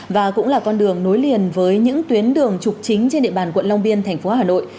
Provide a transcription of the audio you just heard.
và cũng là con đường nối liền với những tuyến đường trục chính trên địa bàn quận long biên thành phố hà nội